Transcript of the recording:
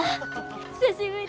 久しぶり！